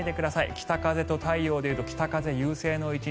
「北風と太陽」で言うと北風優勢の１日。